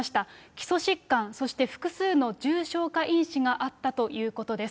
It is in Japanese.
基礎疾患、そして複数の重症化因子があったということです。